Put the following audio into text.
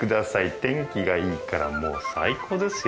天気がいいからもう最高ですよ